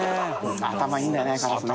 頭いいんだよねカラスね。